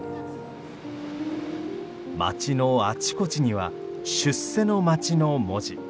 街のあちこちには「出世の街」の文字。